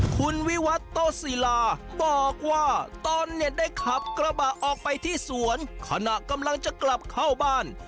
คุณวิวัตโตศิลาบอกว่าตนเนี่ยได้ขับกระบะออกไปที่สวนขณะกำลังจะกลับเข้าบ้าน